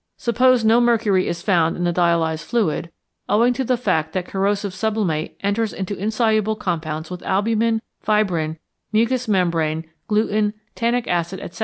Suppose no mercury is found in the dialyzed fluid, owing to the fact that corrosive sublimate enters into insoluble compounds with albumin, fibrin, mucous membrane, gluten, tannic acid, etc.